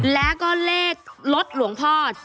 แล้วก็เลขรถหลวงพ่อ